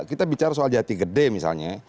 kita bicara soal jati gede misalnya